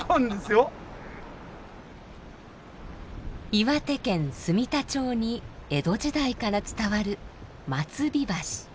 岩手県住田町に江戸時代から伝わる松日橋。